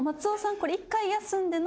これ１回休んでの。